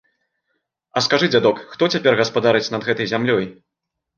А скажы, дзядок, хто цяпер гаспадарыць над гэтай зямлёй?